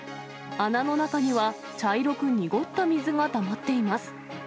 穴の中には、茶色く濁った水がたまっています。